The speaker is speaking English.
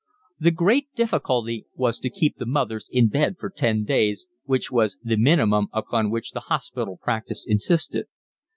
The great difficulty was to keep the mothers in bed for ten days, which was the minimum upon which the hospital practice insisted.